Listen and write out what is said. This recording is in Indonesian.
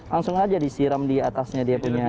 langsung saja disiram di atasnya dia punya